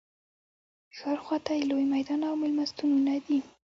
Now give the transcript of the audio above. ښار خواته یې لوی میدان او مېلمستونونه دي.